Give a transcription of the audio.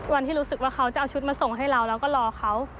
รู้สึกว่าเขาจะเอาชุดมาส่งให้เราแล้วก็รอเขา